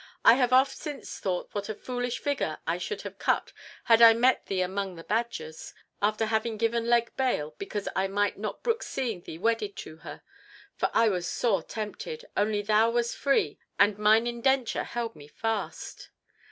"I have oft since thought what a foolish figure I should have cut had I met thee among the Badgers, after having given leg bail because I might not brook seeing thee wedded to her. For I was sore tempted—only thou wast free, and mine indenture held me fast."